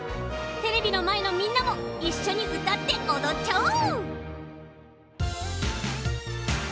テレビのまえのみんなもいっしょにうたっておどっちゃおう！